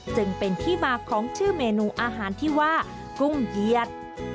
จึงเป็นที่มาของชื่อเมนูอาหารที่ว่ากุ้งเหยียด